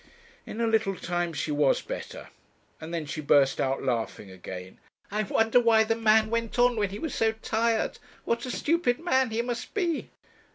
In a little time she was better, and then she burst out laughing again. 'I wonder why the man went on when he was so tired. What a stupid man he must be!'